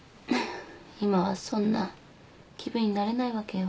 今はそんな気分になれないわけよ。